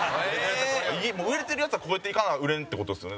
売れてるヤツは超えていかな売れんって事ですよね。